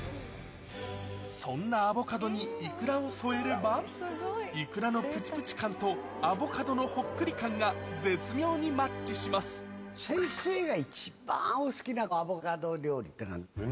そんなアボカドにイクラを添えればイクラのプチプチ感とアボカドのほっくり感が絶妙にマッチします先生が。